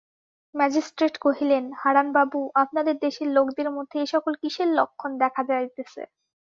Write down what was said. Magistrate কহিলেন, হারানবাবু, আপনাদের দেশের লোকদের মধ্যে এ-সকল কিসের লক্ষণ দেখা যাইতেছে?